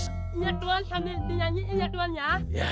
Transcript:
ya tuan sambil diayi ya tuan ya